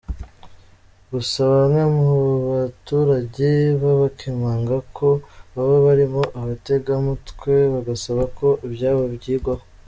Gusa bamwe mu baturage babakemanga ko baba barimo abatekamutwe bagasaba ko ibyabo byigwaho.